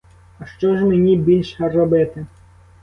А що ж мені більш робити?